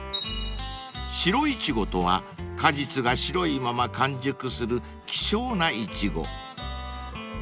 ［白苺とは果実が白いまま完熟する希少なイチゴ］